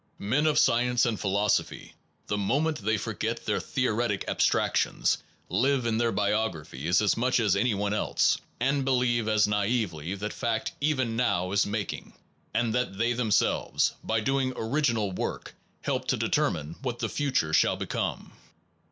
Men of science and philosophy, the moment they forget their theoretic abstrac tions, live in their biographies as much as any one else, and believe as naively that fact even now is making, and that they themselves, by doing c original work, help to determine what the future shall become.